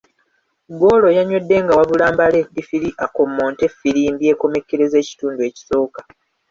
Ggoolo yanywedde nga wabula mbale ddiifiri akommonte ffirimbi ekomekkereza ekitundu ekisooka.